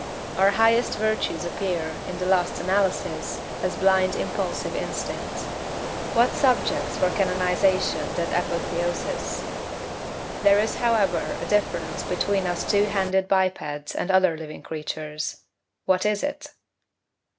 Our highest virtues appear, in the last analysis, as blind, impulsive instincts. What subjects for canonization and apotheosis! There is, however, a difference between us two handed bipeds and other living creatures what is it?